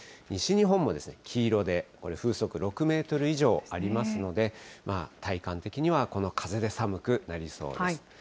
西日本も、黄色で風速６メートル以上ありますので、体感的にはこの風で寒くなりそうです。